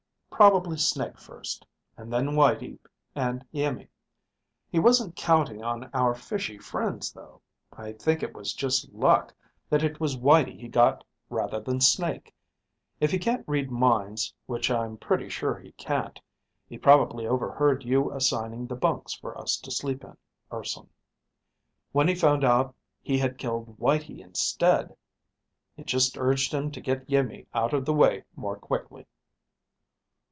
Probably Snake first, and then Whitey and Iimmi. He wasn't counting on our fishy friends, though. I think it was just luck that it was Whitey he got rather than Snake. If he can't read minds, which I'm pretty sure he can't, he probably overheard you assigning the bunks for us to sleep in, Urson. When he found out he had killed Whitey instead, it just urged him to get Iimmi out of the way more quickly."